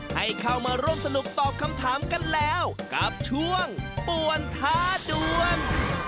ให้เข้ามาร่วมสนุกตอบคำถามกันแล้วกับช่วงป่วนท้าด่วน